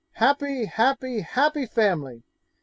Happy, happy, happy family!